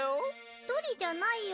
ひとりじゃないよ